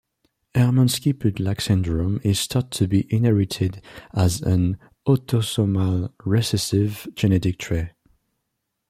Hermansky-Pudlak syndrome is thought to be inherited as an autosomal recessive genetic trait.